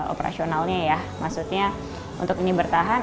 operasionalnya ya maksudnya untuk ini bertahan